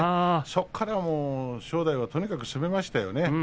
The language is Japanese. そこから正代はとにかく攻めましたよね。